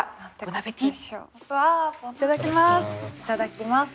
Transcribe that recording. わあいただきます。